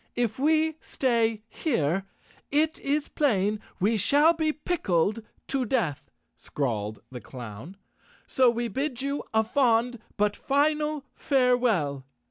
"If we stay here it is plain we shall be pickled to death," scrawled the clown, "so we bid you a fond but final farewell."